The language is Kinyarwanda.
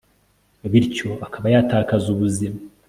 bityo akaba yatakaza ubuzima